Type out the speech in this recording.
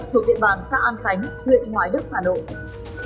thuộc địa bàn xã an khánh huyện hoài đức hà nội